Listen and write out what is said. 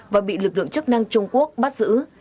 và bị lực lượng chức năng trung quốc bắt giữ